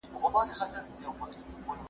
زه مخکي کتابونه ليکلي وو